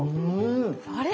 あれ？